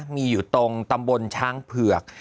มีอยู่ตรงตำบลช้างเผือก